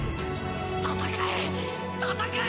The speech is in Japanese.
戦え、戦え！